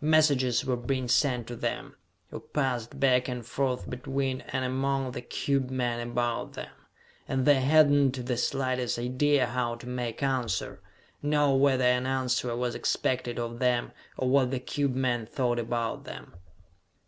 Messages were being sent to them, or passed back and forth between and among the cube men about them and they hadn't the slightest idea how to make answer, know whether an answer was expected of them, or what the cube men thought about them!